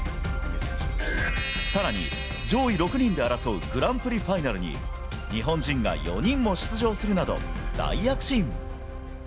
さらに、上位６人で争うグランプリファイナルに、日本人が４人も出場するなど、大躍進。